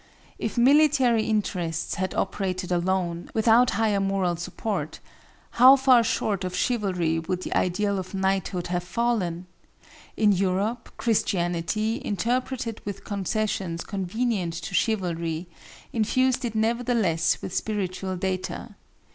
If military interests had operated alone, without higher moral support, how far short of chivalry would the ideal of knighthood have fallen! In Europe, Christianity, interpreted with concessions convenient to chivalry, infused it nevertheless with spiritual data.